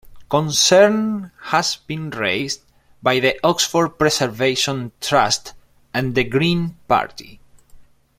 Concern has been raised by the Oxford Preservation Trust and the Green Party.